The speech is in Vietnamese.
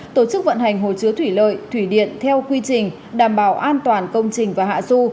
tổ chức vận hành hồ chứa thủy lợi thủy điện theo quy trình đảm bảo an toàn công trình và hạ du